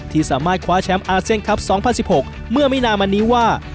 ที่สามารถคว้าแชมป์อาเซียนคลับ๒๐๑๖เมื่อไม่นานมานี้ว่า